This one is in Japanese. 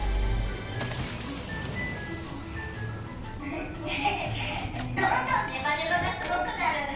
どんどんネバネバがすごくなる。